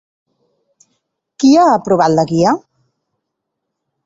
Qui ha aprovat la Guia?